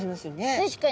確かに。